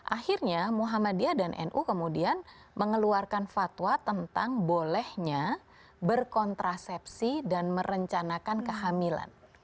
akhirnya muhammadiyah dan nu kemudian mengeluarkan fatwa tentang bolehnya berkontrasepsi dan merencanakan kehamilan